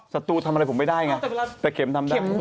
ศัตรูทำอะไรผมไม่ได้ไงแต่เข็มทำได้